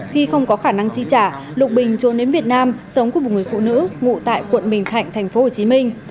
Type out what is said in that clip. khi không có khả năng chi trả lục bình trốn đến việt nam sống của một người phụ nữ ngụ tại quận bình thạnh thành phố hồ chí minh